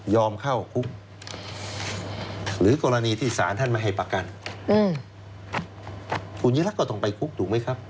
เข้าคุกหรือกรณีที่สารท่านไม่ให้ประกันคุณยิ่งรักก็ต้องไปคุกถูกไหมครับ